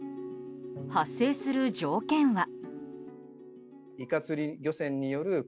発生する条件は。